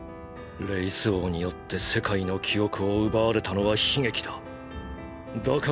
レイス王によって「世界の記憶」を奪われたのは悲劇だ。